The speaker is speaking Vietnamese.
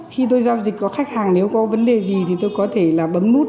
khi tôi giao dịch có khách hàng nếu có vấn đề gì thì tôi có thể là bấm mút